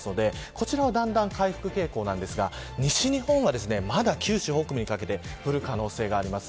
こちらはだんだん回復傾向ですが西日本はまだ九州北部にかけて降る可能性があります。